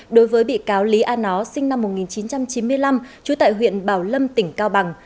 đối với bị cáo lý a nó sinh năm một nghìn chín trăm chín mươi năm trú tại huyện bảo lâm tỉnh cao bằng